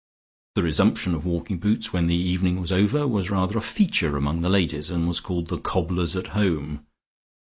The resumption of walking boots when the evening was over was rather a feature among the ladies and was called "The cobbler's at home."